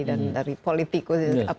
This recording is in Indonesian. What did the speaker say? dan dari politikus